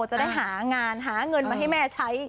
จะได้หางานหาเงินมาให้แม่ใช้